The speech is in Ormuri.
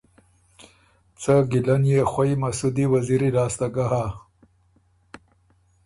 څۀ ګیله ن يې خوئ مسُودی وزیری لاسته ګه هۀ